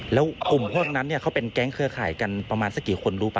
แล้วกลุ่มพวกนั้นเขาเป็นแก๊งเครือข่ายกันประมาณสักกี่คนรู้ป่